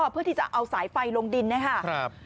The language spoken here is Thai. เพื่อที่จะเอาสายไฟลงดินนะครับ